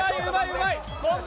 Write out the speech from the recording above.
うまい。